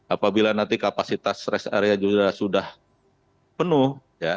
apabila nanti kapasitas rest area juga sudah penuh